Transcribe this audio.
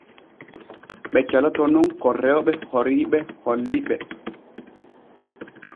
Ɓe caloto nun ka rewɓe oriiɓe holli ɓe.